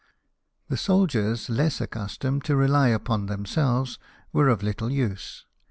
The soldiers, less accustomed to rely upon themselves, were of little use.